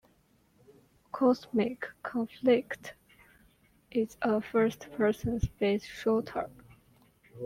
"Cosmic Conflict" is a first person space shooter.